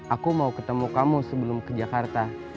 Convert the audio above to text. aku mau ketemu kamu sebelum ke jakarta